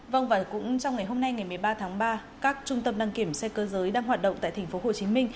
vâng và cũng trong ngày hôm nay ngày một mươi ba tháng ba các trung tâm đăng kiểm xe cơ giới đang hoạt động tại tp hcm